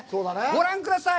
ご覧ください！